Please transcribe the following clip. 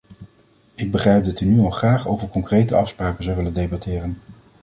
Ik begrijp dat u nu al graag over concrete afspraken zou willen debatteren.